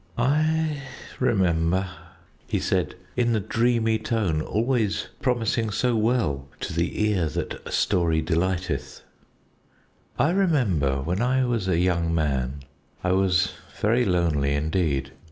"I remember," he said in the dreamy tone always promising so well to the ear that a story delighteth "I remember, when I was a young man, I was very lonely indeed.